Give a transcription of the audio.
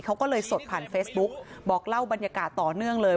เขาก็เลยสดผ่านเฟซบุ๊กบอกเล่าบรรยากาศต่อเนื่องเลย